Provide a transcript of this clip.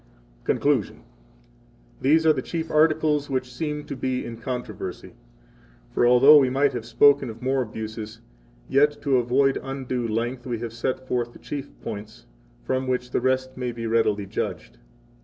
Conclusion. 1 These are the chief articles which seem to be in controversy. For although we might have spoken of more abuses, yet, to avoid undue length, we have set forth the chief points, from which the rest may be readily judged.